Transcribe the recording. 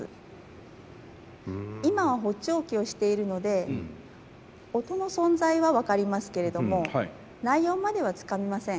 今は補聴器をしているので音の存在は分かりますけれども内容まではつかめません。